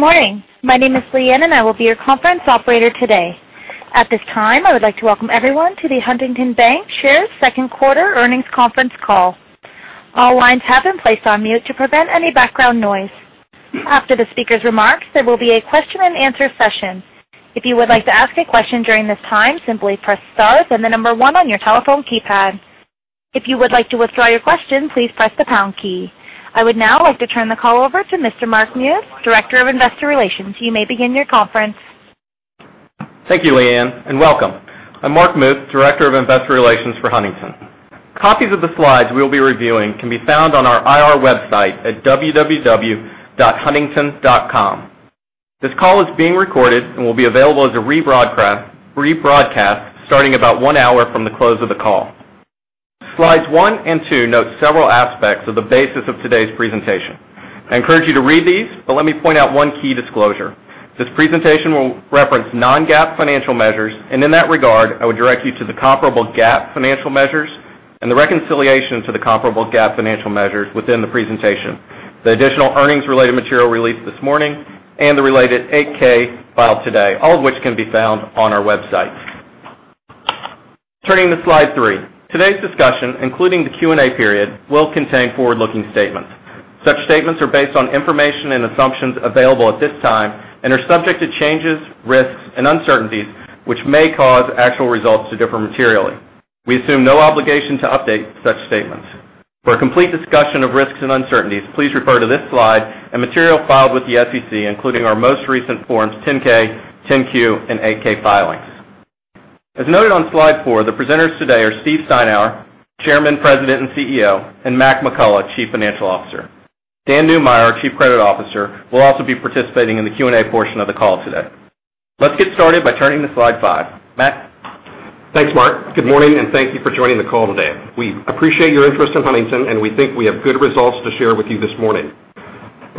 Good morning. My name is Leanne, and I will be your conference operator today. At this time, I would like to welcome everyone to the Huntington Bancshares second quarter earnings conference call. All lines have been placed on mute to prevent any background noise. After the speaker's remarks, there will be a question and answer session. If you would like to ask a question during this time, simply press star and the number one on your telephone keypad. If you would like to withdraw your question, please press the pound key. I would now like to turn the call over to Mr. Mark Muth, Director of Investor Relations. You may begin your conference. Thank you, Leanne, and welcome. I'm Mark Muth, Director of Investor Relations for Huntington. Copies of the slides we'll be reviewing can be found on our IR website at www.huntington.com. This call is being recorded and will be available as a rebroadcast starting about one hour from the close of the call. Slides one and two note several aspects of the basis of today's presentation. I encourage you to read these, but let me point out one key disclosure. This presentation will reference non-GAAP financial measures, and in that regard, I would direct you to the comparable GAAP financial measures and the reconciliation to the comparable GAAP financial measures within the presentation, the additional earnings-related material released this morning, and the related 8-K filed today, all of which can be found on our website. Turning to slide three. Today's discussion, including the Q&A period, will contain forward-looking statements. Such statements are based on information and assumptions available at this time and are subject to changes, risks, and uncertainties which may cause actual results to differ materially. We assume no obligation to update such statements. For a complete discussion of risks and uncertainties, please refer to this slide and material filed with the SEC, including our most recent Forms 10-K, 10-Q, and 8-K filings. As noted on slide four, the presenters today are Steve Steinour, Chairman, President, and CEO, and Mac McCullough, Chief Financial Officer. Dan Neumeyer, our Chief Credit Officer, will also be participating in the Q&A portion of the call today. Let's get started by turning to slide five. Mac? Thanks, Mark. Good morning, and thank you for joining the call today. We appreciate your interest in Huntington, and we think we have good results to share with you this morning.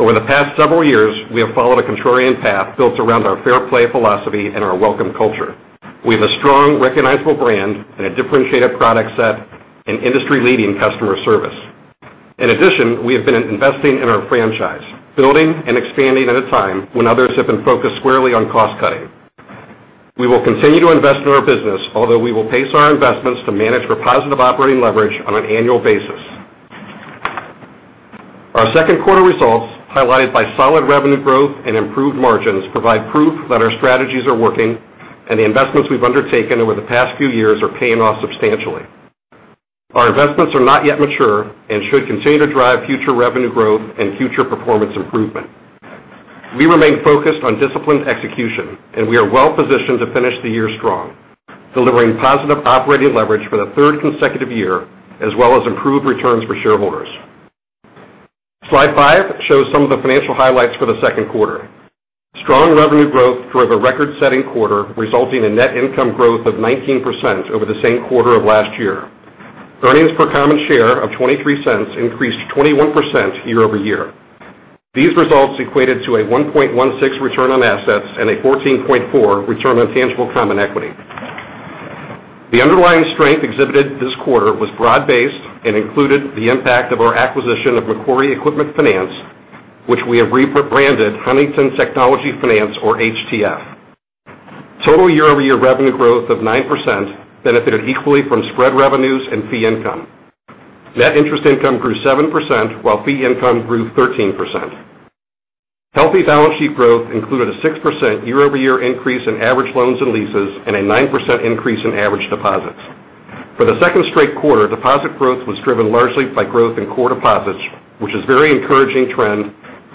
Over the past several years, we have followed a contrarian path built around our Fair Play philosophy and our welcome culture. We have a strong, recognizable brand and a differentiated product set and industry-leading customer service. In addition, we have been investing in our franchise, building and expanding at a time when others have been focused squarely on cost-cutting. We will continue to invest in our business, although we will pace our investments to manage for positive operating leverage on an annual basis. Our second quarter results, highlighted by solid revenue growth and improved margins, provide proof that our strategies are working and the investments we've undertaken over the past few years are paying off substantially. Our investments are not yet mature and should continue to drive future revenue growth and future performance improvement. We remain focused on disciplined execution, and we are well positioned to finish the year strong, delivering positive operating leverage for the third consecutive year, as well as improved returns for shareholders. Slide five shows some of the financial highlights for the second quarter. Strong revenue growth drove a record-setting quarter, resulting in net income growth of 19% over the same quarter of last year. Earnings per common share of $0.23 increased 21% year-over-year. These results equated to a 1.16 return on assets and a 14.4 return on tangible common equity. The underlying strength exhibited this quarter was broad-based and included the impact of our acquisition of Macquarie Equipment Finance, which we have rebranded Huntington Technology Finance, or HTF. Total year-over-year revenue growth of 9% benefited equally from spread revenues and fee income. Net interest income grew 7%, while fee income grew 13%. Healthy balance sheet growth included a 6% year-over-year increase in average loans and leases and a 9% increase in average deposits. For the second straight quarter, deposit growth was driven largely by growth in core deposits, which is a very encouraging trend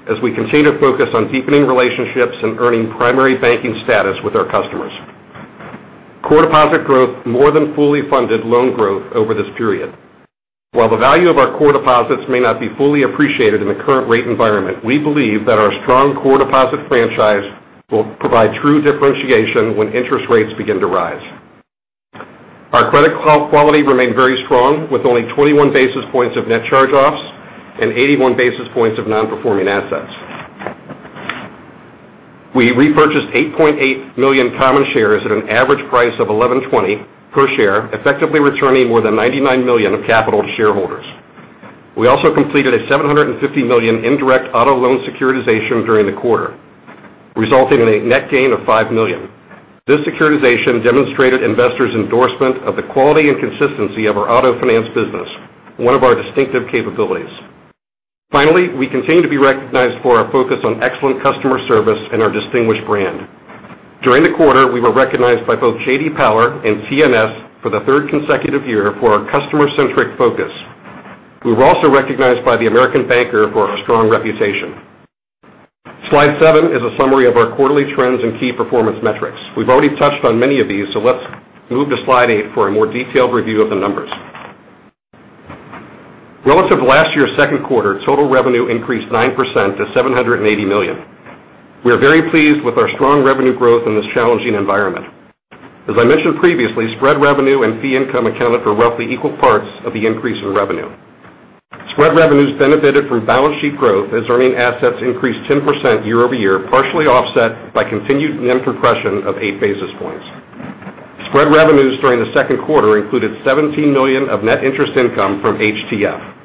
as we continue to focus on deepening relationships and earning primary banking status with our customers. Core deposit growth more than fully funded loan growth over this period. While the value of our core deposits may not be fully appreciated in the current rate environment, we believe that our strong core deposit franchise will provide true differentiation when interest rates begin to rise. Our credit quality remained very strong, with only 21 basis points of net charge-offs and 81 basis points of non-performing assets. We repurchased 8.8 million common shares at an average price of $11.20 per share, effectively returning more than $99 million of capital to shareholders. We also completed a $750 million indirect auto loan securitization during the quarter, resulting in a net gain of $5 million. This securitization demonstrated investors' endorsement of the quality and consistency of our auto finance business, one of our distinctive capabilities. Finally, we continue to be recognized for our focus on excellent customer service and our distinguished brand. During the quarter, we were recognized by both J.D. Power and CNS for the third consecutive year for our customer-centric focus. We were also recognized by the American Banker for our strong reputation. Slide seven is a summary of our quarterly trends and key performance metrics. We've already touched on many of these, so let's move to slide eight for a more detailed review of the numbers. Relative to last year's second quarter, total revenue increased 9% to $780 million. We are very pleased with our strong revenue growth in this challenging environment. As I mentioned previously, spread revenue and fee income accounted for roughly equal parts of the increase in revenue. Spread revenues benefited from balance sheet growth as earning assets increased 10% year-over-year, partially offset by continued NIM compression of eight basis points. Spread revenues during the second quarter included $17 million of net interest income from HTF.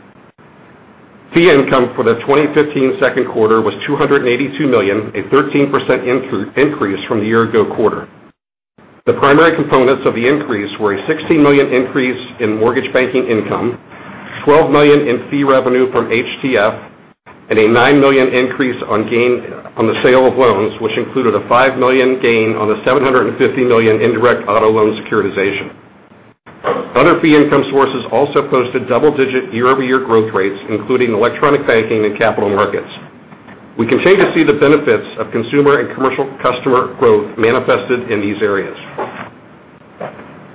Fee income for the 2015 second quarter was $282 million, a 13% increase from the year ago quarter. The primary components of the increase were a $16 million increase in mortgage banking income, $12 million in fee revenue from HTF, and a $9 million increase on the sale of loans, which included a $5 million gain on the $750 million indirect auto loan securitization. Other fee income sources also posted double-digit year-over-year growth rates, including electronic banking and capital markets. We continue to see the benefits of consumer and commercial customer growth manifested in these areas.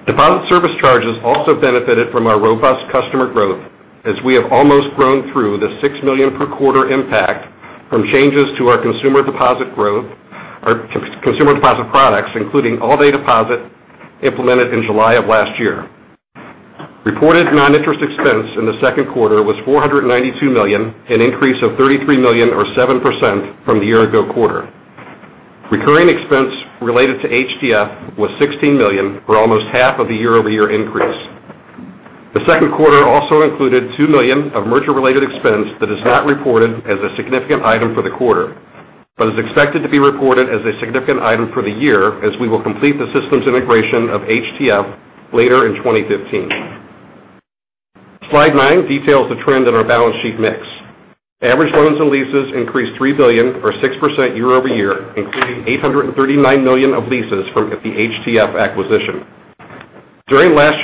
Deposit service charges also benefited from our robust customer growth, as we have almost grown through the $6 million per quarter impact from changes to our consumer deposit products, including All Day Deposit implemented in July of last year. Reported non-interest expense in the second quarter was $492 million, an increase of $33 million or 7% from the year ago quarter. Recurring expense related to HTF was $16 million, or almost half of the year-over-year increase. The second quarter also included $2 million of merger-related expense that is not reported as a significant item for the quarter. Is expected to be reported as a significant item for the year as we will complete the systems integration of HTF later in 2015. Slide nine details the trend in our balance sheet mix. Average loans and leases increased $3 billion or 6% year-over-year, including $839 million of leases from the HTF acquisition. During last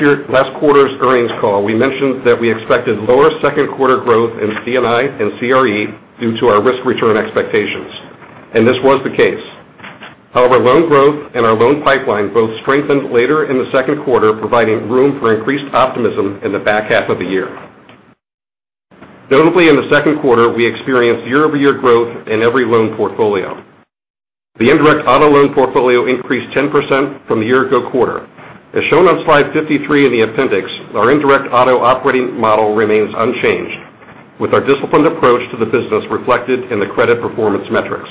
quarter's earnings call, we mentioned that we expected lower second quarter growth in C&I and CRE due to our risk-return expectations, and this was the case. However, loan growth and our loan pipeline both strengthened later in the second quarter, providing room for increased optimism in the back half of the year. Notably, in the second quarter, we experienced year-over-year growth in every loan portfolio. The indirect auto loan portfolio increased 10% from the year ago quarter. As shown on slide 53 in the appendix, our indirect auto operating model remains unchanged, with our disciplined approach to the business reflected in the credit performance metrics.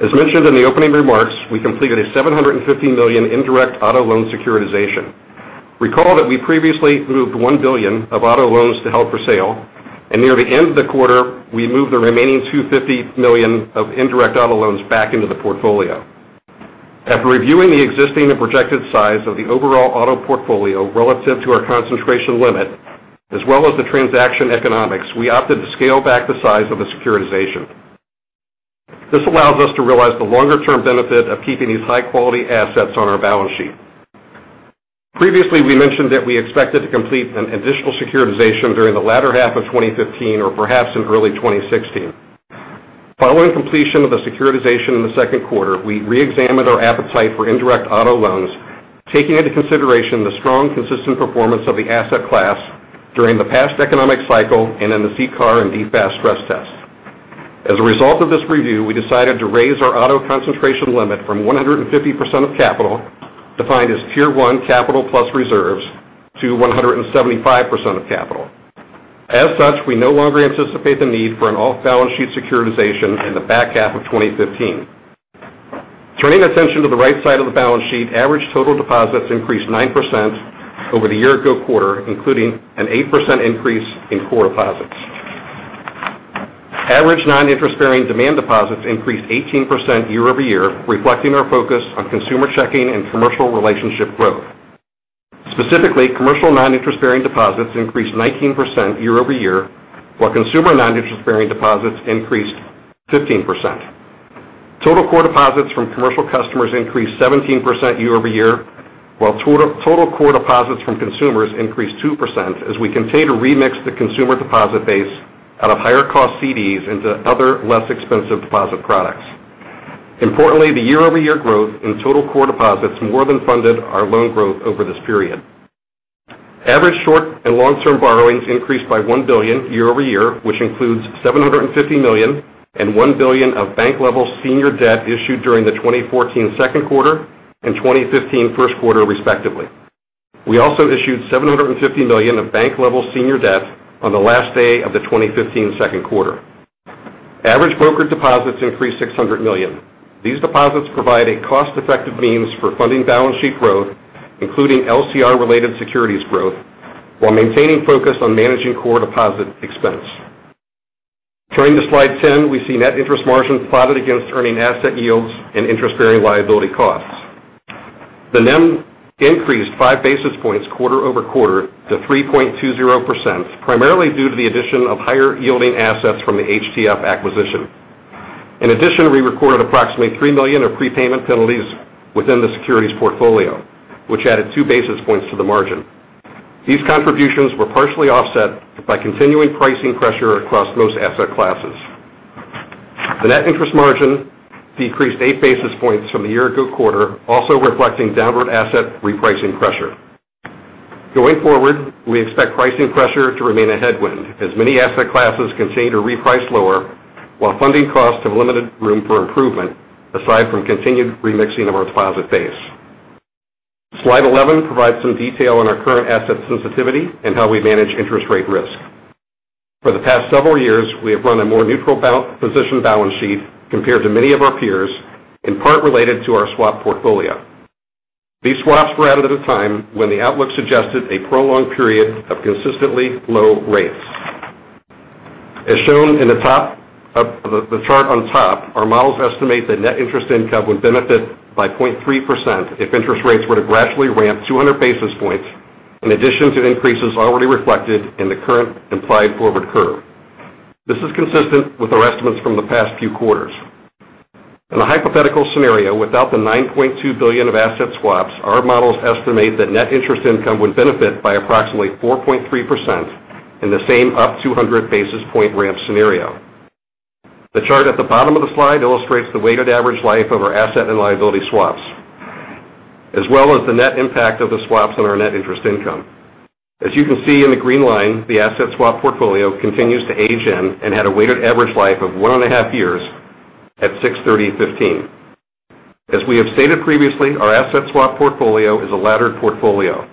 As mentioned in the opening remarks, we completed a $750 million indirect auto loan securitization. Recall that we previously moved $1 billion of auto loans to held for sale, and near the end of the quarter, we moved the remaining $250 million of indirect auto loans back into the portfolio. After reviewing the existing and projected size of the overall auto portfolio relative to our concentration limit, as well as the transaction economics, we opted to scale back the size of the securitization. This allows us to realize the longer-term benefit of keeping these high-quality assets on our balance sheet. Previously, we mentioned that we expected to complete an additional securitization during the latter half of 2015 or perhaps in early 2016. Following completion of the securitization in the second quarter, we re-examined our appetite for indirect auto loans, taking into consideration the strong consistent performance of the asset class during the past economic cycle and in the CCAR and DFAST stress test. As a result of this review, we decided to raise our auto concentration limit from 150% of capital, defined as Tier 1 capital plus reserves, to 175% of capital. As such, we no longer anticipate the need for an off-balance sheet securitization in the back half of 2015. Turning attention to the right side of the balance sheet, average total deposits increased 9% over the year ago quarter, including an 8% increase in core deposits. Average non-interest-bearing demand deposits increased 18% year-over-year, reflecting our focus on consumer checking and commercial relationship growth. Specifically, commercial non-interest-bearing deposits increased 19% year-over-year, while consumer non-interest-bearing deposits increased 15%. Total core deposits from commercial customers increased 17% year-over-year, while total core deposits from consumers increased 2% as we continue to remix the consumer deposit base out of higher-cost CDs into other less expensive deposit products. Importantly, the year-over-year growth in total core deposits more than funded our loan growth over this period. Average short and long-term borrowings increased by $1 billion year-over-year, which includes $750 million and $1 billion of bank-level senior debt issued during the 2014 second quarter and 2015 first quarter respectively. We also issued $750 million of bank-level senior debt on the last day of the 2015 second quarter. Average broker deposits increased $600 million. These deposits provide a cost-effective means for funding balance sheet growth, including LCR related securities growth, while maintaining focus on managing core deposit expense. Turning to slide 10, we see net interest margins plotted against earning asset yields and interest-bearing liability costs. The NIM increased five basis points quarter-over-quarter to 3.20%, primarily due to the addition of higher-yielding assets from the HTF acquisition. In addition, we recorded approximately $3 million of prepayment penalties within the securities portfolio, which added two basis points to the margin. These contributions were partially offset by continuing pricing pressure across most asset classes. The net interest margin decreased eight basis points from the year ago quarter, also reflecting downward asset repricing pressure. Going forward, we expect pricing pressure to remain a headwind as many asset classes continue to reprice lower, while funding costs have limited room for improvement aside from continued remixing of our deposit base. Slide 11 provides some detail on our current asset sensitivity and how we manage interest rate risk. For the past several years, we have run a more neutral position balance sheet compared to many of our peers, in part related to our swap portfolio. These swaps were added at a time when the outlook suggested a prolonged period of consistently low rates. As shown in the chart on top, our models estimate that net interest income would benefit by 0.3% if interest rates were to gradually ramp 200 basis points in addition to increases already reflected in the current implied forward curve. This is consistent with our estimates from the past few quarters. In a hypothetical scenario, without the $9.2 billion of asset swaps, our models estimate that net interest income would benefit by approximately 4.3% in the same up 200 basis point ramp scenario. The chart at the bottom of the slide illustrates the weighted average life of our asset and liability swaps, as well as the net impact of the swaps on our net interest income. As you can see in the green line, the asset swap portfolio continues to age in and had a weighted average life of one and a half years at 6/30/2015. As we have stated previously, our asset swap portfolio is a laddered portfolio.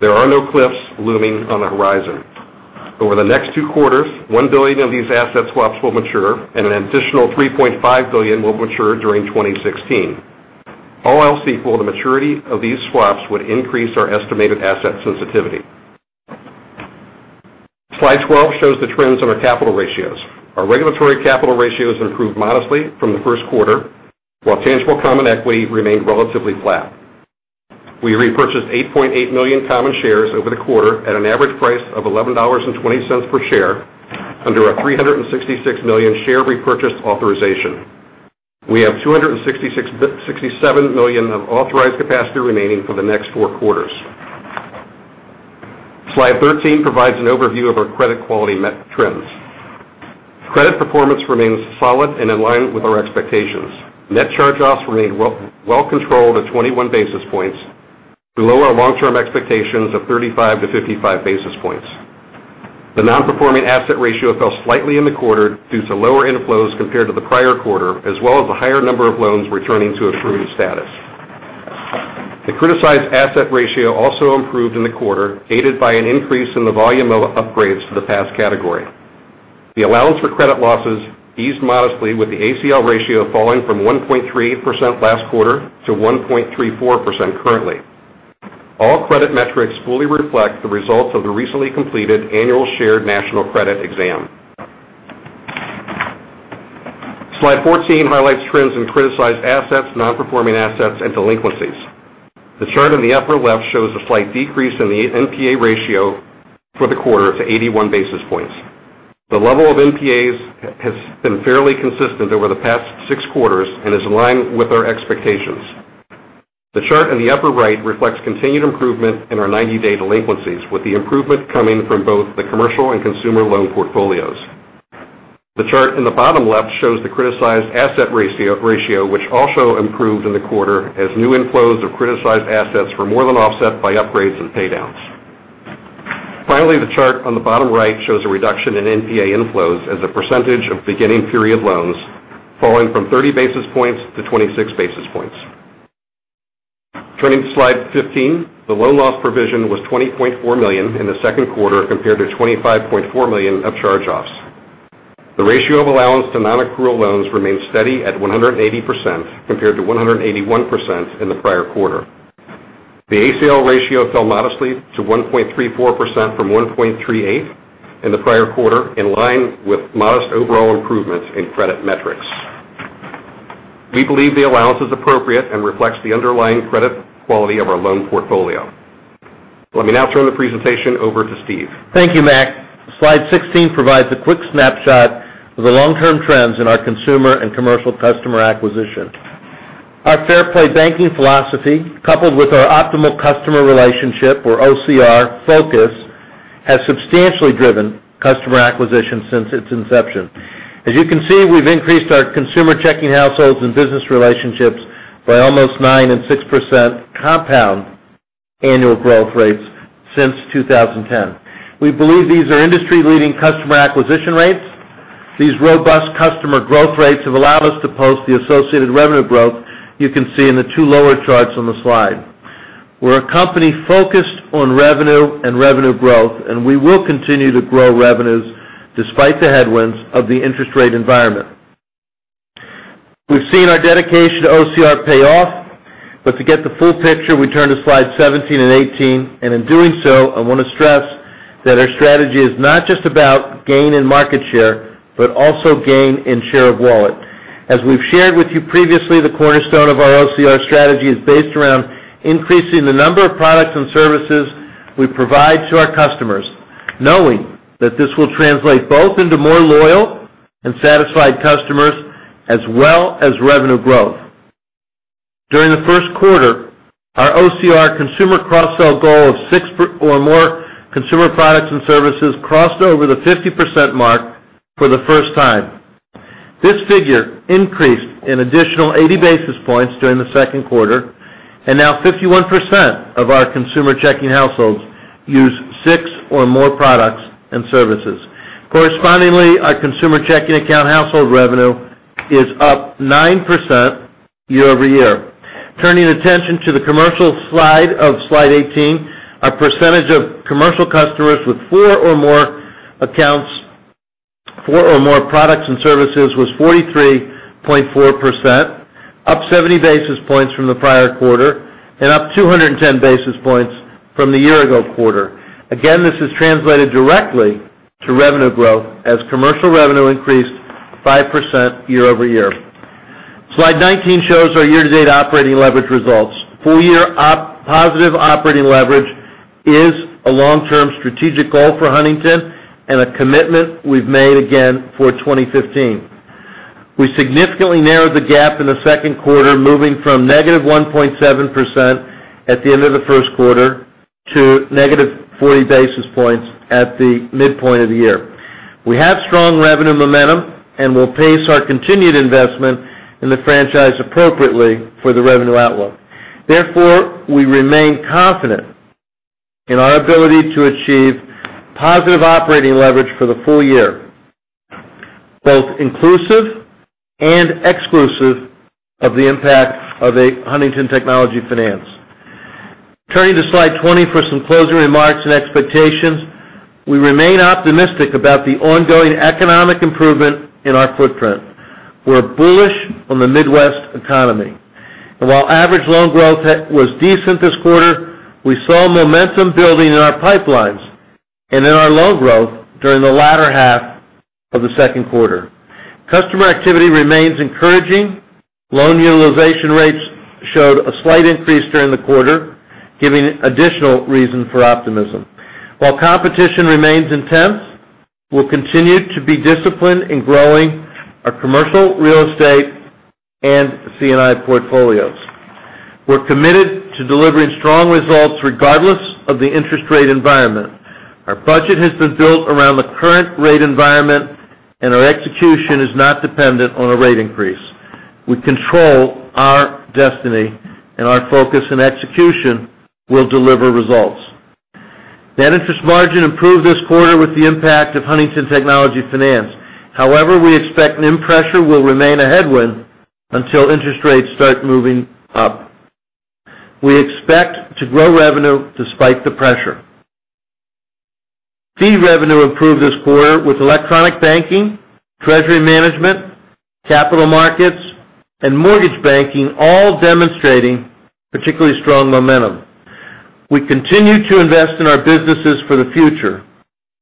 There are no cliffs looming on the horizon. Over the next two quarters, $1 billion of these asset swaps will mature and an additional $3.5 billion will mature during 2016. All else equal, the maturity of these swaps would increase our estimated asset sensitivity. Slide 12 shows the trends in our capital ratios. Our regulatory capital ratios improved modestly from the first quarter, while tangible common equity remained relatively flat. We repurchased 8.8 million common shares over the quarter at an average price of $11.20 per share under a 366 million share repurchase authorization. We have 267 million of authorized capacity remaining for the next four quarters. Slide 13 provides an overview of our credit quality net trends. Credit performance remains solid and in line with our expectations. Net charge-offs remain well controlled at 21 basis points, below our long-term expectations of 35 to 55 basis points. The non-performing asset ratio fell slightly in the quarter due to lower inflows compared to the prior quarter, as well as the higher number of loans returning to approved status. The criticized asset ratio also improved in the quarter, aided by an increase in the volume of upgrades to the past category. The allowance for credit losses eased modestly with the ACL ratio falling from 1.38% last quarter to 1.34% currently. All credit metrics fully reflect the results of the recently completed annual shared national credit exam. Slide 14 highlights trends in criticized assets, non-performing assets, and delinquencies. The chart on the upper left shows a slight decrease in the NPA ratio for the quarter of 81 basis points. The level of NPAs has been fairly consistent over the past six quarters and is in line with our expectations. The chart in the upper right reflects continued improvement in our 90-day delinquencies, with the improvement coming from both the commercial and consumer loan portfolios. The chart in the bottom left shows the criticized asset ratio, which also improved in the quarter as new inflows of criticized assets were more than offset by upgrades and paydowns. The chart on the bottom right shows a reduction in NPA inflows as a percentage of beginning period loans falling from 30 basis points to 26 basis points. Turning to slide 15, the loan loss provision was $20.4 million in the second quarter compared to $25.4 million of charge-offs. The ratio of allowance to non-accrual loans remains steady at 180% compared to 181% in the prior quarter. The ACL ratio fell modestly to 1.34% from 1.38% in the prior quarter, in line with modest overall improvements in credit metrics. We believe the allowance is appropriate and reflects the underlying credit quality of our loan portfolio. Let me now turn the presentation over to Steve. Thank you, Mac. Slide 16 provides a quick snapshot of the long-term trends in our consumer and commercial customer acquisition. Our Fair Play banking philosophy, coupled with our optimal customer relationship, or OCR focus, has substantially driven customer acquisition since its inception. As you can see, we've increased our consumer checking households and business relationships by almost 9% and 6% compound annual growth rates since 2010. We believe these are industry-leading customer acquisition rates. These robust customer growth rates have allowed us to post the associated revenue growth you can see in the two lower charts on the slide. We're a company focused on revenue and revenue growth, we will continue to grow revenues despite the headwinds of the interest rate environment. We've seen our dedication to OCR pay off. To get the full picture, we turn to slides 17 and 18. In doing so, I want to stress that our strategy is not just about gain and market share, but also gain and share of wallet. As we've shared with you previously, the cornerstone of our OCR strategy is based around increasing the number of products and services we provide to our customers, knowing that this will translate both into more loyal and satisfied customers, as well as revenue growth. During the first quarter, our OCR consumer cross-sell goal of six or more consumer products and services crossed over the 50% mark for the first time. This figure increased an additional 80 basis points during the second quarter, and now 51% of our consumer checking households use six or more products and services. Correspondingly, our consumer checking account household revenue is up 9% year-over-year. Turning attention to the commercial slide of slide 18, our percentage of commercial customers with four or more accounts, four or more products and services was 43.4%, up 70 basis points from the prior quarter and up 210 basis points from the year-ago quarter. This is translated directly to revenue growth as commercial revenue increased 5% year-over-year. Slide 19 shows our year-to-date operating leverage results. Full year positive operating leverage is a long-term strategic goal for Huntington and a commitment we've made again for 2015. We significantly narrowed the gap in the second quarter, moving from negative 1.7% at the end of the first quarter to negative 40 basis points at the midpoint of the year. We have strong revenue momentum. We'll pace our continued investment in the franchise appropriately for the revenue outlook. Therefore, we remain confident in our ability to achieve positive operating leverage for the full year, both inclusive and exclusive of the impact of a Huntington Technology Finance. Turning to slide 20 for some closing remarks and expectations. We remain optimistic about the ongoing economic improvement in our footprint. We're bullish on the Midwest economy. While average loan growth was decent this quarter, we saw momentum building in our pipelines and in our loan growth during the latter half of the second quarter. Customer activity remains encouraging. Loan utilization rates showed a slight increase during the quarter, giving additional reason for optimism. While competition remains intense, we'll continue to be disciplined in growing our commercial real estate and C&I portfolios. We're committed to delivering strong results regardless of the interest rate environment. Our budget has been built around the current rate environment. Our execution is not dependent on a rate increase. We control our destiny. Our focus and execution will deliver results. Net interest margin improved this quarter with the impact of Huntington Technology Finance. However, we expect NIM pressure will remain a headwind until interest rates start moving up. We expect to grow revenue despite the pressure. Fee revenue improved this quarter with electronic banking, treasury management, capital markets, and mortgage banking all demonstrating particularly strong momentum. We continue to invest in our businesses for the future,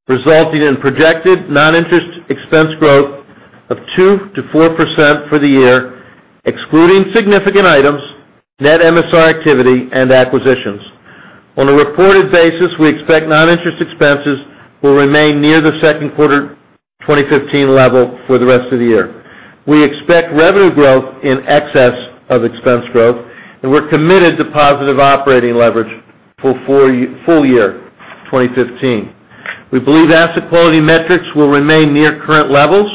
resulting in projected non-interest expense growth of 2%-4% for the year, excluding significant items, net MSR activity, and acquisitions. On a reported basis, we expect non-interest expenses will remain near the second quarter 2015 level for the rest of the year. We expect revenue growth in excess of expense growth, and we're committed to positive operating leverage for full year 2015. We believe asset quality metrics will remain near current levels.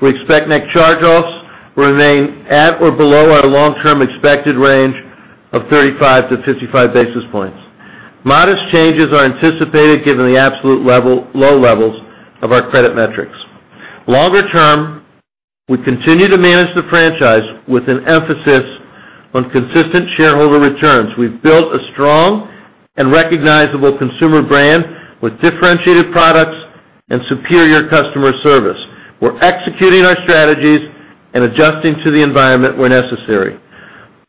We expect net charge-offs will remain at or below our long-term expected range of 35 to 55 basis points. Modest changes are anticipated given the absolute low levels of our credit metrics. Longer term, we continue to manage the franchise with an emphasis on consistent shareholder returns. We've built a strong and recognizable consumer brand with differentiated products and superior customer service. We're executing our strategies and adjusting to the environment where necessary.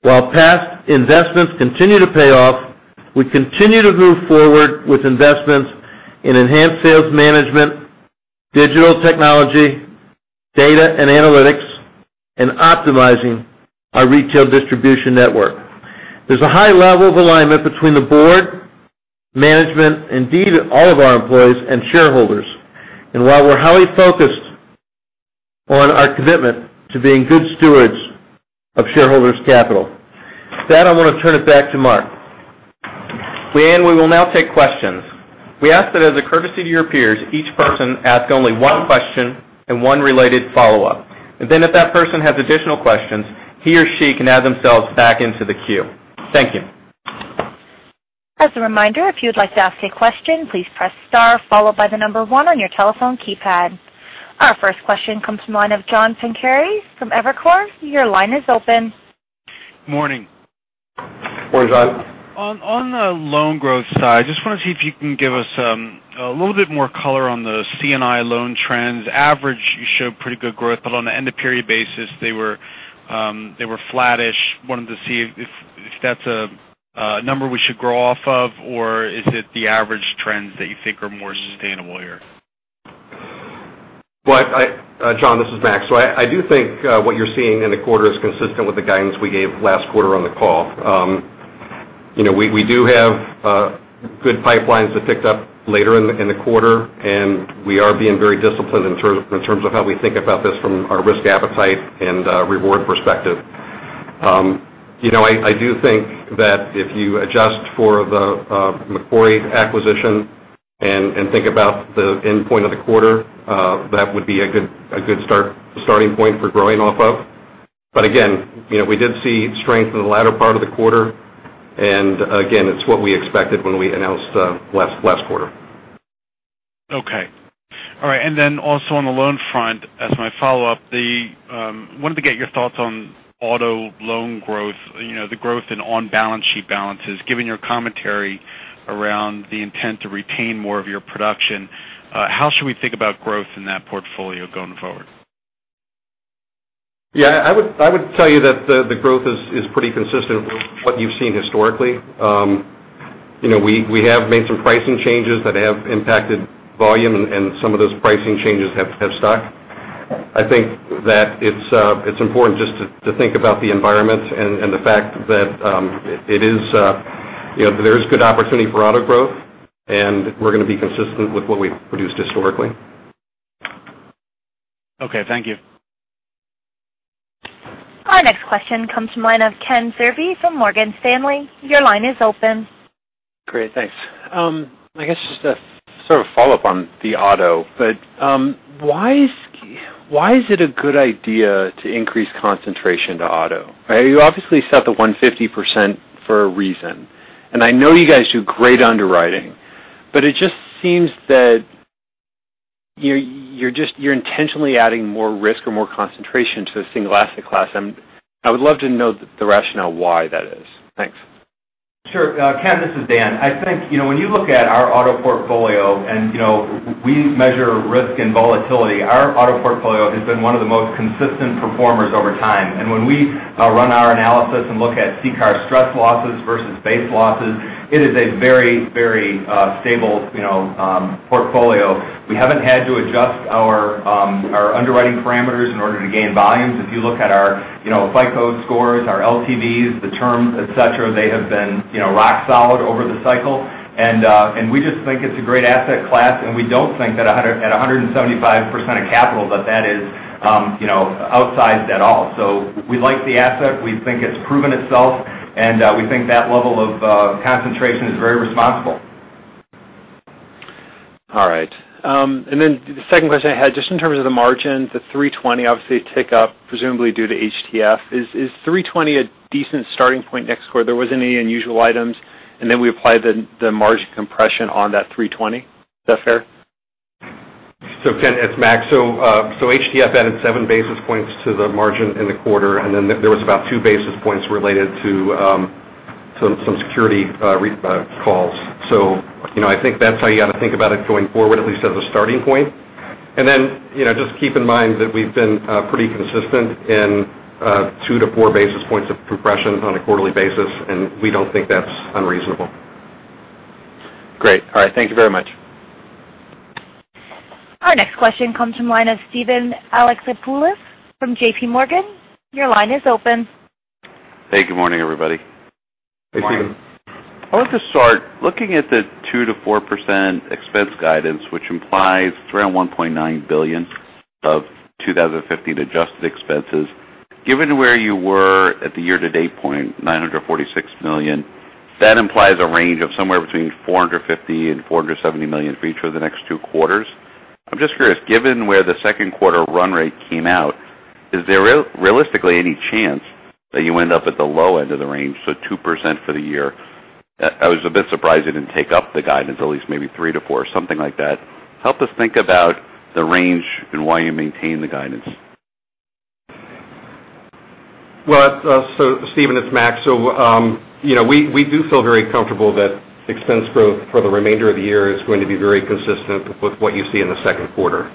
While past investments continue to pay off, we continue to move forward with investments in enhanced sales management, digital technology, data and analytics, and optimizing our retail distribution network. There's a high level of alignment between the board, management, indeed all of our employees, and shareholders, while we're highly focused on our commitment to being good stewards of shareholders' capital. With that, I want to turn it back to Mark. We will now take questions. We ask that as a courtesy to your peers, each person ask only one question and one related follow-up. Then if that person has additional questions, he or she can add themselves back into the queue. Thank you. As a reminder, if you would like to ask a question, please press star followed by the number 1 on your telephone keypad. Our first question comes from the line of John Pancari from Evercore. Your line is open. Morning. Morning, John. On the loan growth side, just want to see if you can give us a little bit more color on the C&I loan trends. Average, you showed pretty good growth, but on the end of period basis, they were flattish. Wanted to see if that's a number we should grow off of, or is it the average trends that you think are more sustainable here? Well, John, this is Mac. I do think what you're seeing in the quarter is consistent with the guidance we gave last quarter on the call. We do have good pipelines that picked up later in the quarter, and we are being very disciplined in terms of how we think about this from our risk appetite and reward perspective. I do think that if you adjust for the Macquarie acquisition and think about the end point of the quarter, that would be a good starting point for growing off of. Again, we did see strength in the latter part of the quarter. Again, it's what we expected when we announced last quarter. Okay. All right. Then also on the loan front, as my follow-up, I wanted to get your thoughts on auto loan growth, the growth in on-balance sheet balances. Given your commentary around the intent to retain more of your production, how should we think about growth in that portfolio going forward? I would tell you that the growth is pretty consistent with what you've seen historically. We have made some pricing changes that have impacted volume. Some of those pricing changes have stuck. I think that it's important just to think about the environment and the fact that there is good opportunity for auto growth. We're going to be consistent with what we've produced historically. Okay, thank you. Our next question comes from the line of Kenneth Zerbe from Morgan Stanley. Your line is open. Great, thanks. I guess just a sort of follow-up on the auto, why is it a good idea to increase concentration to auto? You obviously set the 150% for a reason. I know you guys do great underwriting. It just seems that you're intentionally adding more risk or more concentration to a single asset class. I would love to know the rationale why that is. Thanks. Sure. Ken, this is Dan. I think when you look at our auto portfolio, and we measure risk and volatility, our auto portfolio has been one of the most consistent performers over time. When we run our analysis and look at CCAR stress losses versus base losses, it is a very stable portfolio. We haven't had to adjust our underwriting parameters in order to gain volumes. If you look at our FICO scores, our LTVs, the terms, et cetera, they have been rock solid over the cycle. We just think it's a great asset class, and we don't think that at 175% of capital, that is outsized at all. We like the asset. We think it's proven itself, and we think that level of concentration is very responsible. All right. The second question I had, just in terms of the margin, the 320 obviously a tick up, presumably due to HTF. Is 320 a decent starting point next quarter? There wasn't any unusual items, we apply the margin compression on that 320. Is that fair? Ken, it's Mac. HTF added seven basis points to the margin in the quarter, and then there was about two basis points related to some security calls. I think that's how you got to think about it going forward, at least as a starting point. Just keep in mind that we've been pretty consistent in two to four basis points of compression on a quarterly basis, and we don't think that's unreasonable. Great. All right. Thank you very much. Our next question comes from line of Steven Alexopoulos from J.P. Morgan. Your line is open. Hey, good morning, everybody. Hey, Steven. I wanted to start looking at the 2%-4% expense guidance, which implies around $1.9 billion of 2015 adjusted expenses. Given where you were at the year-to-date point, $946 million, that implies a range of somewhere between $450 and $470 million for each of the next two quarters. I'm just curious, given where the second quarter run rate came out, is there realistically any chance that you end up at the low end of the range, so 2% for the year? I was a bit surprised you didn't take up the guidance, at least maybe 3%-4%, something like that. Help us think about the range and why you maintain the guidance. Steven, it's Mac. We do feel very comfortable that expense growth for the remainder of the year is going to be very consistent with what you see in the second quarter.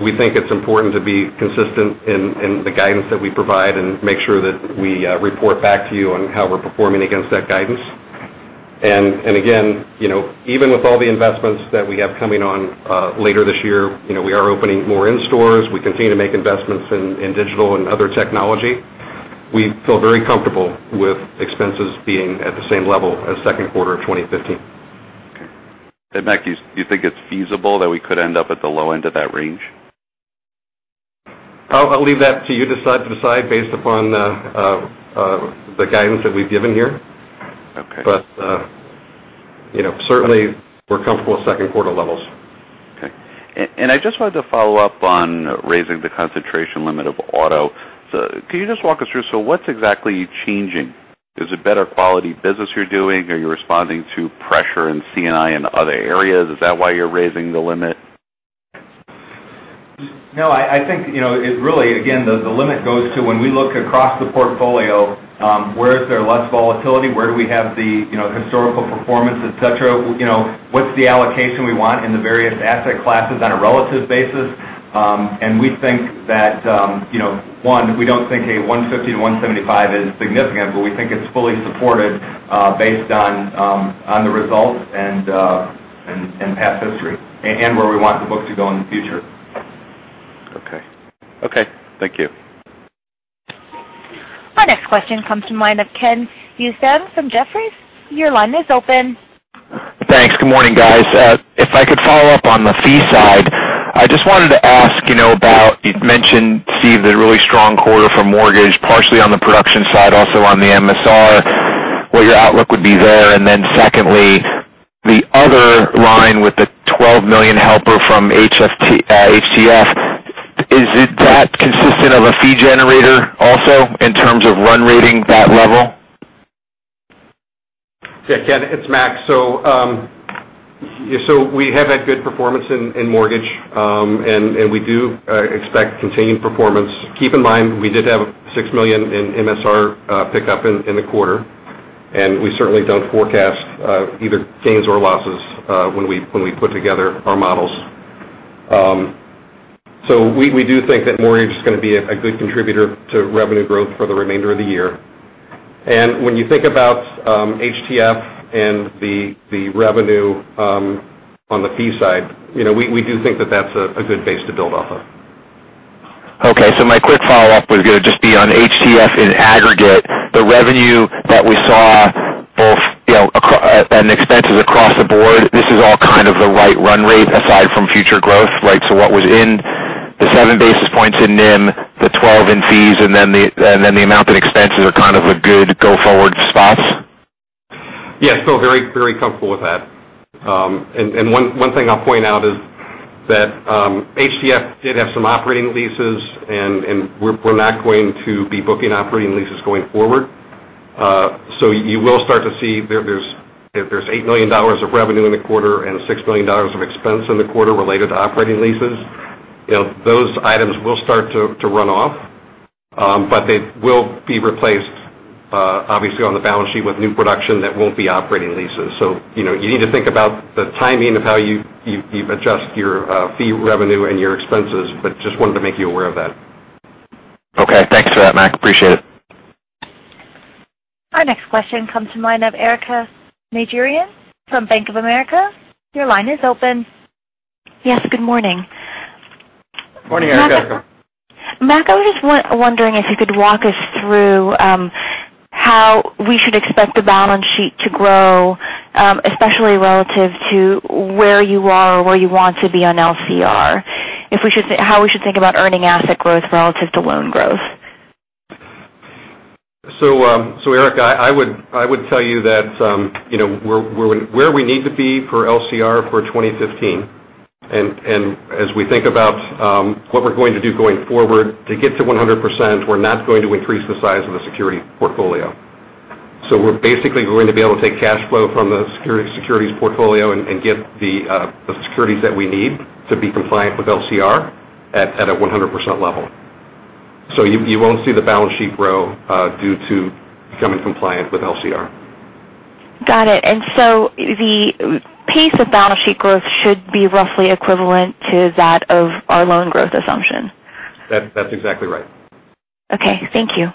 We think it's important to be consistent in the guidance that we provide and make sure that we report back to you on how we're performing against that guidance. Again, even with all the investments that we have coming on later this year, we are opening more in-stores. We continue to make investments in digital and other technology. We feel very comfortable with expenses being at the same level as second quarter of 2015. Okay. Mac, you think it's feasible that we could end up at the low end of that range? I'll leave that to you to decide based upon the guidance that we've given here. Okay. Certainly, we're comfortable with second quarter levels. Okay. I just wanted to follow up on raising the concentration limit of auto. Can you just walk us through, what's exactly changing? Is it better quality business you're doing? Are you responding to pressure in C&I and other areas? Is that why you're raising the limit? No, I think it really, again, the limit goes to when we look across the portfolio, where is there less volatility? Where do we have the historical performance, et cetera? What's the allocation we want in the various asset classes on a relative basis? We think that, one, we don't think a 150-175 is significant, but we think it's fully supported based on the results and past history, and where we want the book to go in the future. Okay. Thank you. Our next question comes from the line of Ken Usdin from Jefferies. Your line is open. Thanks. Good morning, guys. If I could follow up on the fee side. I just wanted to ask about, you'd mentioned, Steve, the really strong quarter for mortgage, partially on the production side, also on the MSR, what your outlook would be there. Secondly, the other line with the $12 million helper from HTF, is that consistent of a fee generator also in terms of run rating that level? Yeah, Ken, it's Mac. We have had good performance in mortgage, and we do expect continued performance. Keep in mind, we did have a $6 million in MSR pickup in the quarter, and we certainly don't forecast either gains or losses when we put together our models. We do think that mortgage is going to be a good contributor to revenue growth for the remainder of the year. When you think about HTF and the revenue on the fee side, we do think that that's a good base to build off of. Okay, my quick follow-up was going to just be on HTF in aggregate. The revenue that we saw both and expenses across the board, this is all kind of the right run rate aside from future growth. What was in the seven basis points in NIM, the 12 in fees, and then the amount that expenses are kind of the good go-forward spots? Yes. Feel very comfortable with that. One thing I'll point out is that HTF did have some operating leases, and we're not going to be booking operating leases going forward. You will start to see there's $8 million of revenue in the quarter and $6 million of expense in the quarter related to operating leases. Those items will start to run off. They will be replaced, obviously, on the balance sheet with new production that won't be operating leases. You need to think about the timing of how you adjust your fee revenue and your expenses, but just wanted to make you aware of that. Okay. Thanks for that, Mac. Appreciate it. Our next question comes from line of Erika Najarian from Bank of America. Your line is open. Yes, good morning. Morning, Erika. Mac, I was just wondering if you could walk us through how we should expect the balance sheet to grow, especially relative to where you are or where you want to be on LCR. How we should think about earning asset growth relative to loan growth. Erika, I would tell you that where we need to be for LCR for 2015, and as we think about what we're going to do going forward to get to 100%, we're not going to increase the size of the security portfolio. We're basically going to be able to take cash flow from the securities portfolio and get the securities that we need to be compliant with LCR at a 100% level. You won't see the balance sheet grow due to becoming compliant with LCR. Got it. The pace of balance sheet growth should be roughly equivalent to that of our loan growth assumption. That's exactly right. Okay. Thank you.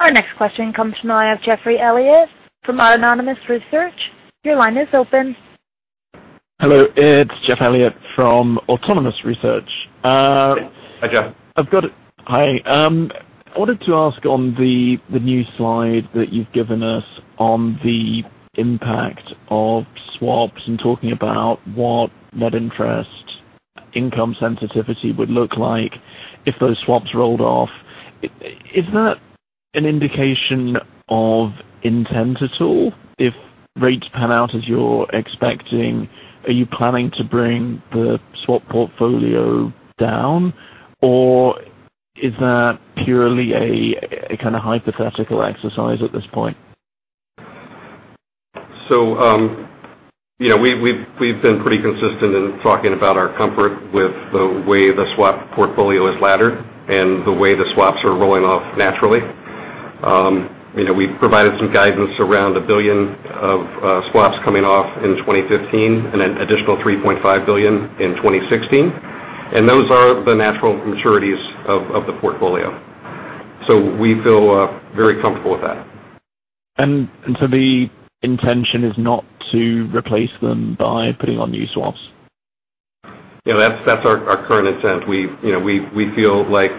Our next question comes from line of Geoffrey Elliott from Autonomous Research. Your line is open. Hello, it's Jeff Elliott from Autonomous Research. Hi, Jeff. Hi. I wanted to ask on the new slide that you've given us on the impact of swaps and talking about what net interest income sensitivity would look like if those swaps rolled off. Is that an indication of intent at all if rates pan out as you're expecting? Are you planning to bring the swap portfolio down, or is that purely a kind of hypothetical exercise at this point? We've been pretty consistent in talking about our comfort with the way the swap portfolio is laddered and the way the swaps are rolling off naturally. We've provided some guidance around $1 billion of swaps coming off in 2015 and an additional $3.5 billion in 2016, those are the natural maturities of the portfolio. We feel very comfortable with that. The intention is not to replace them by putting on new swaps. Yeah, that's our current intent. We feel like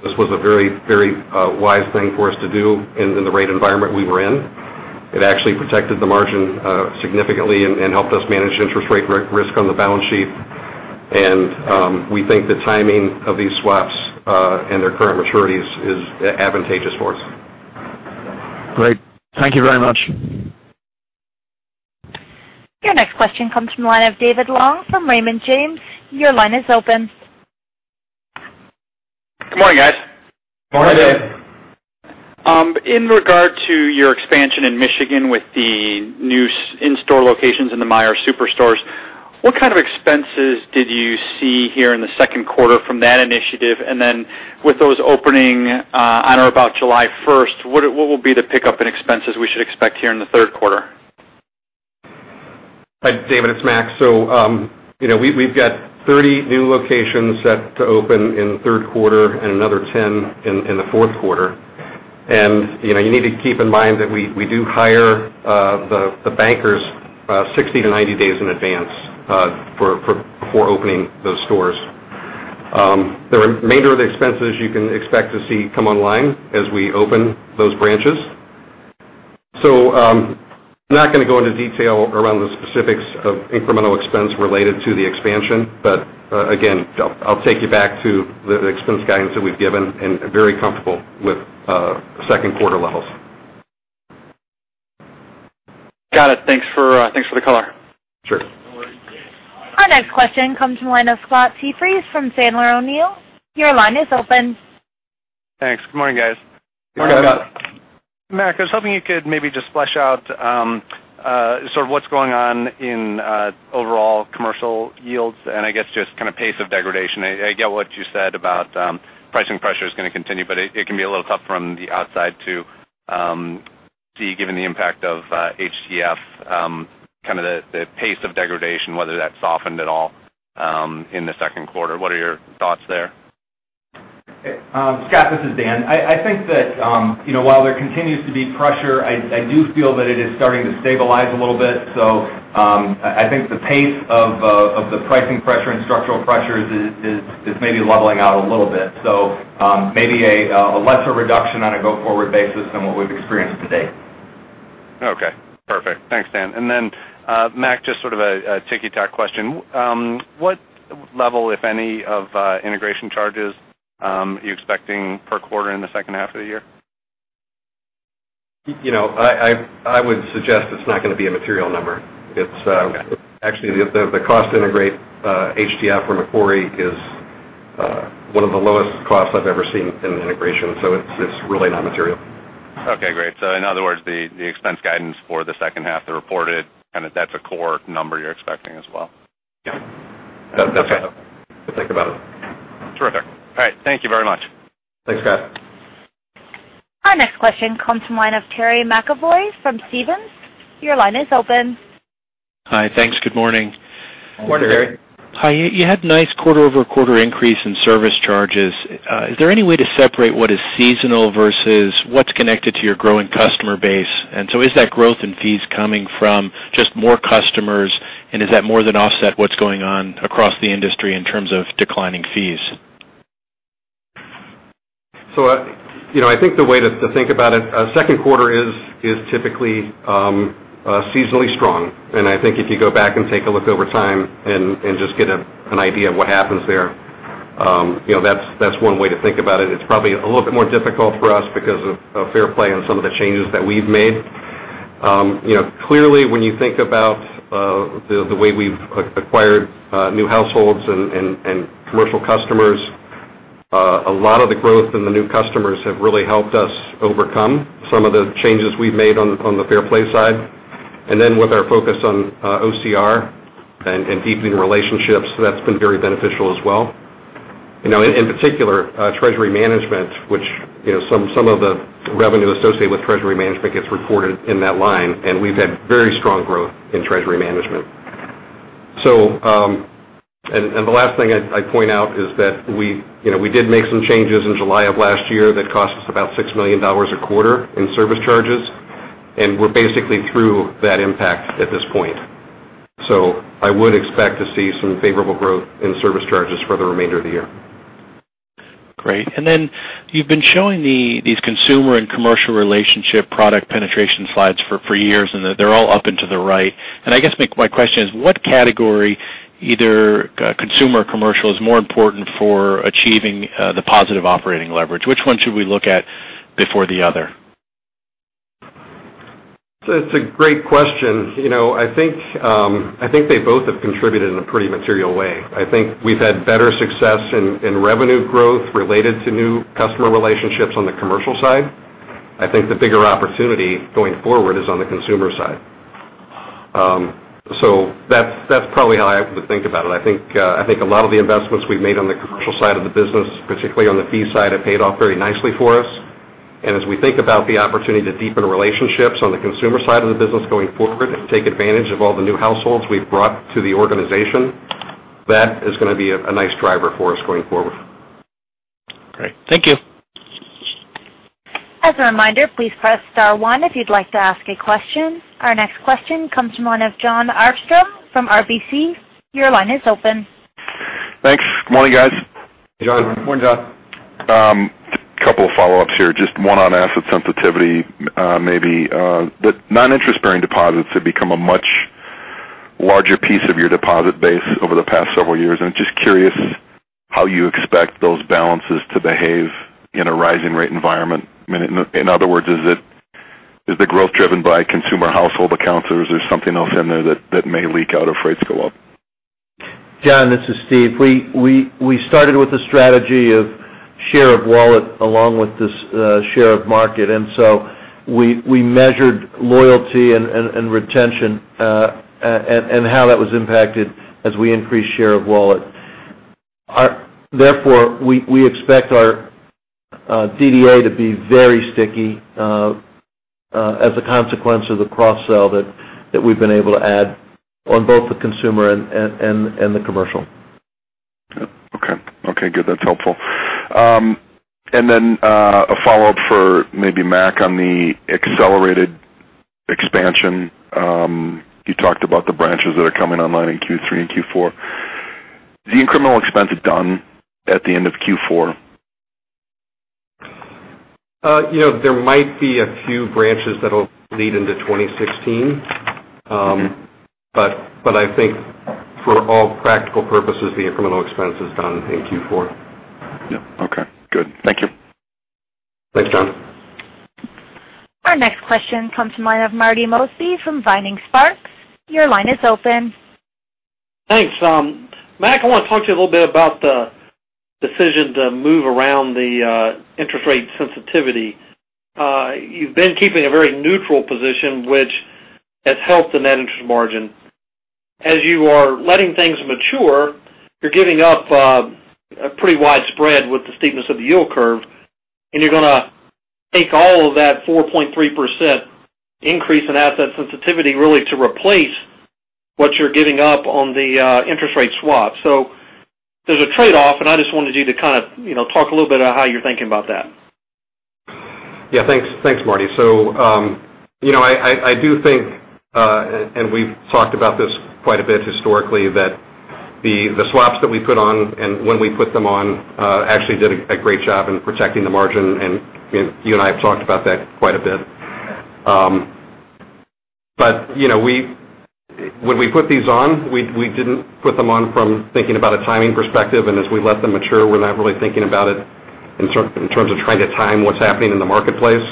this was a very wise thing for us to do in the rate environment we were in. It actually protected the margin significantly and helped us manage interest rate risk on the balance sheet. We think the timing of these swaps and their current maturities is advantageous for us. Great. Thank you very much. Your next question comes from the line of David Long from Raymond James. Your line is open. Good morning, guys. Morning, David. In regard to your expansion in Michigan with the new in-store locations in the Meijer superstores, what kind of expenses did you see here in the second quarter from that initiative? Then with those opening on or about July 1st, what will be the pickup in expenses we should expect here in the third quarter? Hi, David, it's Mac. We've got 30 new locations set to open in the third quarter and another 10 in the fourth quarter. You need to keep in mind that we do hire the bankers 60 to 90 days in advance before opening those stores. The remainder of the expenses you can expect to see come online as we open those branches. I'm not going to go into detail around the specifics of incremental expense related to the expansion. Again, I'll take you back to the expense guidance that we've given and very comfortable with second quarter levels. Got it. Thanks for the color. Sure. Our next question comes from the line of Scott Siefers from Sandler O'Neill. Your line is open. Thanks. Good morning, guys. Good morning. Good morning. Mac, I was hoping you could maybe just flesh out sort of what's going on in overall commercial yields, and I guess just kind of pace of degradation. I get what you said about pricing pressure's going to continue, but it can be a little tough from the outside to see, given the impact of HTF, kind of the pace of degradation, whether that softened at all in the second quarter. What are your thoughts there? Scott, this is Dan. I think that while there continues to be pressure, I do feel that it is starting to stabilize a little bit. I think the pace of the pricing pressure and structural pressures is maybe leveling out a little bit. Maybe a lesser reduction on a go-forward basis than what we've experienced to date. Okay, perfect. Thanks, Dan. Then Mac, just sort of a ticky-tack question. What level, if any, of integration charges are you expecting per quarter in the second half of the year? I would suggest it's not going to be a material number. Okay. Actually, the cost to integrate HTF or Macquarie is one of the lowest costs I've ever seen in an integration. It's really not material. Okay, great. In other words, the expense guidance for the second half, the reported, kind of that's a core number you're expecting as well. Yeah. That's how to think about it. Terrific. All right. Thank you very much. Thanks, Scott. Our next question comes from the line of Terry McEvoy from Stephens. Your line is open. Hi, thanks. Good morning. Morning, Terry. Morning. Hi. You had nice quarter-over-quarter increase in service charges. Is there any way to separate what is seasonal versus what's connected to your growing customer base? Is that growth in fees coming from just more customers, and does that more than offset what's going on across the industry in terms of declining fees? I think the way to think about it, second quarter is typically seasonally strong. I think if you go back and take a look over time and just get an idea of what happens there, that's one way to think about it. It's probably a little bit more difficult for us because of Fair Play and some of the changes that we've made. Clearly, when you think about the way we've acquired new households and commercial customers, a lot of the growth in the new customers have really helped us overcome some of the changes we've made on the Fair Play side. With our focus on OCR and deepening relationships, that's been very beneficial as well. In particular, treasury management, which some of the revenue associated with treasury management gets reported in that line, and we've had very strong growth in treasury management. The last thing I'd point out is that we did make some changes in July of last year that cost us about $6 million a quarter in service charges, and we're basically through that impact at this point. I would expect to see some favorable growth in service charges for the remainder of the year. Great. Then you've been showing these consumer and commercial relationship product penetration slides for years, and they're all up and to the right. I guess my question is, what category, either consumer or commercial, is more important for achieving the positive operating leverage? Which one should we look at before the other? It's a great question. I think they both have contributed in a pretty material way. I think we've had better success in revenue growth related to new customer relationships on the commercial side. I think the bigger opportunity going forward is on the consumer side. That's probably how I would think about it. I think a lot of the investments we've made on the commercial side of the business, particularly on the fee side, have paid off very nicely for us. As we think about the opportunity to deepen relationships on the consumer side of the business going forward and take advantage of all the new households we've brought to the organization, that is going to be a nice driver for us going forward. Great. Thank you. As a reminder, please press *1 if you'd like to ask a question. Our next question comes from the line of Jon Arfstrom from RBC. Your line is open. Thanks. Good morning, guys. Hey, Jon. Morning, Jon. A couple of follow-ups here. Just one on asset sensitivity, maybe. The non-interest-bearing deposits have become a much larger piece of your deposit base over the past several years. I'm just curious how you expect those balances to behave in a rising rate environment. In other words, is the growth driven by consumer household accounts, or is there something else in there that may leak out if rates go up? Jon, this is Steve. We started with a strategy of share of wallet along with this share of market. We measured loyalty and retention, and how that was impacted as we increased share of wallet. Therefore, we expect our DDA to be very sticky as a consequence of the cross-sell that we've been able to add on both the consumer and the commercial. Okay. Okay, good. That's helpful. Then a follow-up for maybe Mac on the accelerated expansion. You talked about the branches that are coming online in Q3 and Q4. Is the incremental expense done at the end of Q4? There might be a few branches that'll bleed into 2016. Okay. I think for all practical purposes, the incremental expense is done in Q4. Yeah. Okay, good. Thank you. Thanks, Jon. Our next question comes from the line of Marty Mosby from Vining Sparks. Your line is open. Thanks. Mac, I want to talk to you a little bit about the decision to move around the interest rate sensitivity. You've been keeping a very neutral position, which has helped the net interest margin. As you are letting things mature, you're giving up a pretty wide spread with the steepness of the yield curve, and you're going to take all of that 4.3% increase in asset sensitivity really to replace what you're giving up on the interest rate swap. There's a trade-off, and I just wanted you to kind of talk a little bit on how you're thinking about that. Yeah, thanks, Marty. I do think, and we've talked about this quite a bit historically, that the swaps that we put on and when we put them on actually did a great job in protecting the margin. You and I have talked about that quite a bit. When we put these on, we didn't put them on from thinking about a timing perspective, and as we let them mature, we're not really thinking about it in terms of trying to time what's happening in the marketplace.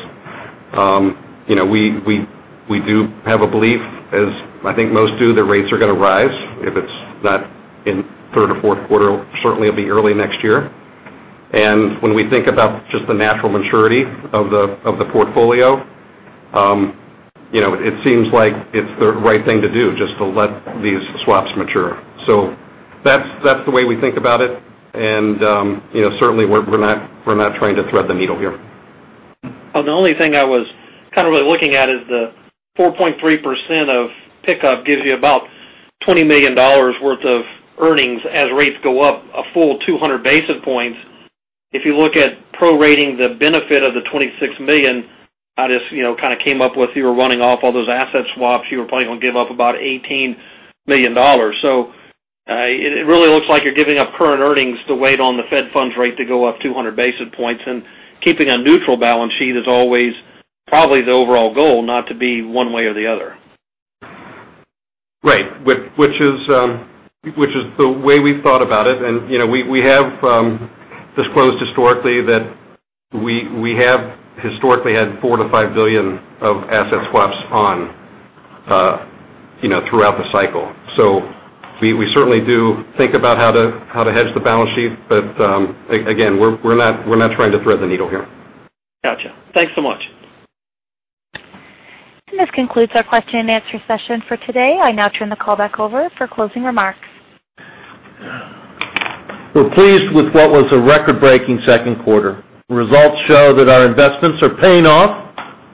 We do have a belief, as I think most do, that rates are going to rise. If it's not in third or fourth quarter, certainly it'll be early next year. When we think about just the natural maturity of the portfolio, it seems like it's the right thing to do just to let these swaps mature. That's the way we think about it, and certainly we're not trying to thread the needle here. The only thing I was kind of really looking at is the 4.3% of pickup gives you about $20 million worth of earnings as rates go up a full 200 basis points. If you look at prorating the benefit of the $26 million, I just kind of came up with you were running off all those asset swaps, you were probably going to give up about $18 million. It really looks like you're giving up current earnings to wait on the Fed funds rate to go up 200 basis points and keeping a neutral balance sheet is always probably the overall goal, not to be one way or the other. Right. Which is the way we've thought about it, and we have disclosed historically that we have historically had $4 billion-$5 billion of asset swaps on throughout the cycle. We certainly do think about how to hedge the balance sheet. Again, we're not trying to thread the needle here. Got you. Thanks so much. This concludes our question and answer session for today. I now turn the call back over for closing remarks. We're pleased with what was a record-breaking second quarter. Results show that our investments are paying off,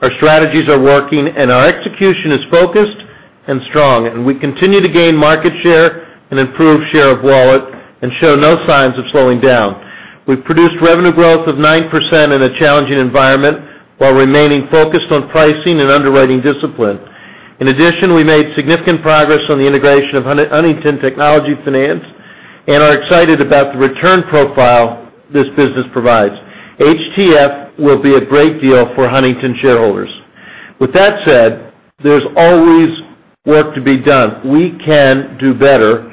our strategies are working, and our execution is focused and strong. We continue to gain market share and improve share of wallet and show no signs of slowing down. We've produced revenue growth of 9% in a challenging environment while remaining focused on pricing and underwriting discipline. In addition, we made significant progress on the integration of Huntington Technology Finance and are excited about the return profile this business provides. HTF will be a great deal for Huntington shareholders. With that said, there's always work to be done. We can do better,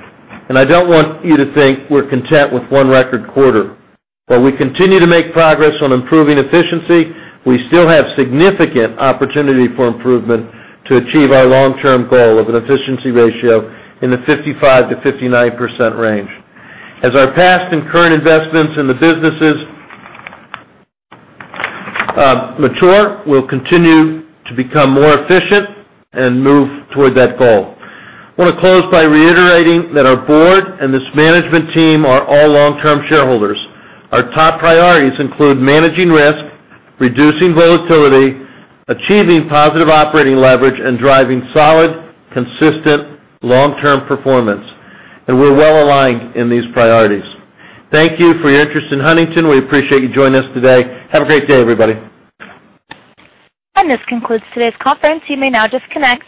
and I don't want you to think we're content with one record quarter. While we continue to make progress on improving efficiency, we still have significant opportunity for improvement to achieve our long-term goal of an efficiency ratio in the 55%-59% range. As our past and current investments in the businesses mature, we'll continue to become more efficient and move toward that goal. I want to close by reiterating that our board and this management team are all long-term shareholders. Our top priorities include managing risk, reducing volatility, achieving positive operating leverage, and driving solid, consistent long-term performance, and we're well aligned in these priorities. Thank you for your interest in Huntington. We appreciate you joining us today. Have a great day, everybody. This concludes today's conference. You may now disconnect.